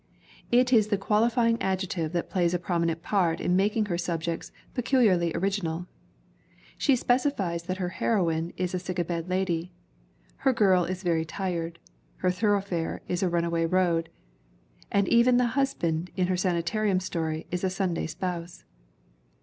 It is the qualifying adjective that plays a prominent part in making her subjects peculiarly orig inal. She specifies that her heroine is a sick a bed lady, her girl is very tired, her thoroughfare is a run away road, and even the husband in her sanitarium story is a Sunday spouse.